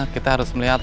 kita harus melihatnya